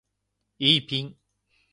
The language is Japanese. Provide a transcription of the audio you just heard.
イーピン